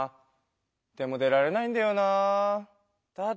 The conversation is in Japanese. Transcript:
でも出られないんだよなあ。